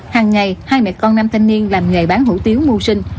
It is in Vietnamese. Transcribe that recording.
hằng ngày hai mẹ con nam thanh niên làm nghề bán hủ tiếu mua sinh